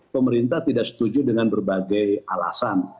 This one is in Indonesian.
pemerintah tidak setuju dengan berbagai alasan